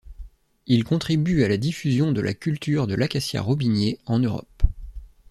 Il contribue à la diffusion de la culture de l’acacia robinier en Europe.